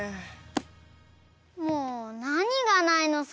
もうなにがないのさ？